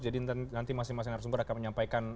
jadi nanti masing masing arsumber akan menyampaikan